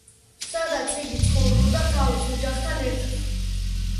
სადაც იგი ცხოვრობდა თავის ოჯახთან ერთად.